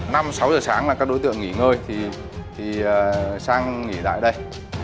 năm sáu giờ sáng là các đối tượng nghỉ ngơi thì sang nghỉ đại đây